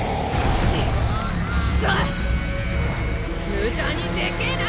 無駄にでけぇな！